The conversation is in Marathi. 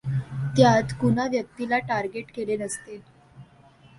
त्यांत कुणा व्यक्तीला टार्गेट केले नसते.